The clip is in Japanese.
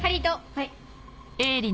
はい。